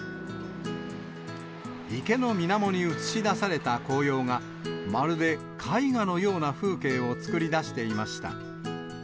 池のみなもに映し出された紅葉が、まるで絵画のような風景を作り出していました。